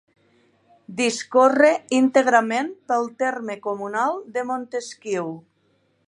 Discorre íntegrament pel terme comunal de Montesquiu.